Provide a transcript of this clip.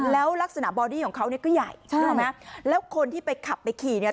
แล้วลักษณะบอดี้ของเขาเนี่ยก็ใหญ่ใช่นึกออกไหมแล้วคนที่ไปขับไปขี่เนี่ย